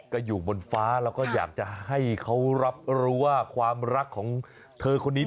ก็อยู่บนฟ้าแล้วก็อยากจะให้เขารับรู้ว่าความรักของเธอคนนี้